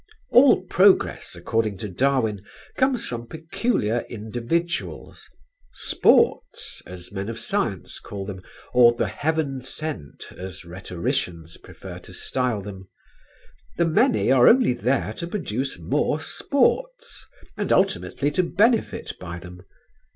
All progress according to Darwin comes from peculiar individuals; "sports" as men of science call them, or the "heaven sent" as rhetoricians prefer to style them. The many are only there to produce more "sports" and ultimately to benefit by them.